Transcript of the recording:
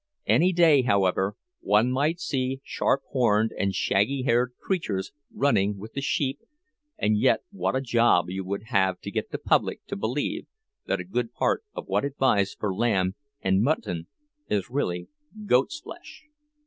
Any day, however, one might see sharp horned and shaggy haired creatures running with the sheep and yet what a job you would have to get the public to believe that a good part of what it buys for lamb and mutton is really goat's flesh!